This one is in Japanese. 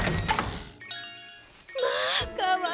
まあかわいい。